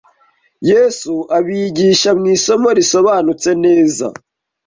Yesu abibigisha mu isomo risobanutse neza